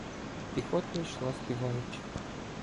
Піхота йшла співаючи.